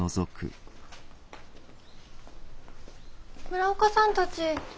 村岡さんたち。